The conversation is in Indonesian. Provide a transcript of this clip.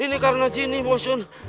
ini karena jin nih bu shun